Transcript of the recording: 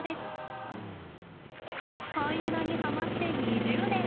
ハイエナにハマって２０年。